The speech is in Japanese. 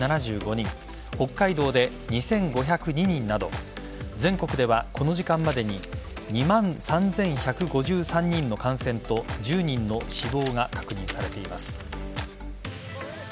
北海道で２５０２人など全国ではこの時間までに２万３１５３人の感染と１０人の死亡が確認されています。